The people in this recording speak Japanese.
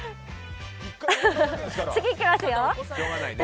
次にいきますよ。